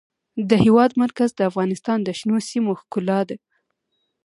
د هېواد مرکز د افغانستان د شنو سیمو ښکلا ده.